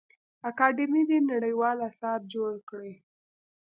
اکاډمي دي نړیوال اثار جوړ کړي.